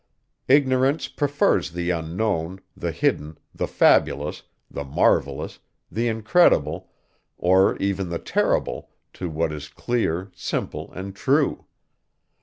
Ignorance prefers the unknown, the hidden, the fabulous, the marvellous, the incredible, or even the terrible, to what is clear, simple, and true.